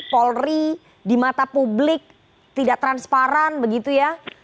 polri di mata publik tidak transparan begitu ya